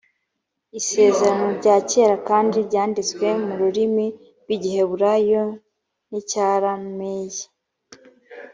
isezerano rya kera kandi ryanditswe mu rurimi rw’igiheburayo n’icyarameyi